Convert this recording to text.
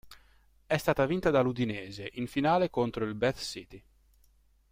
È stata vinta dall' Udinese, in finale contro il Bath City.